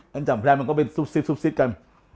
แล้วจำแปลงมันก็เป็นซุบซิบซุบซิบกัน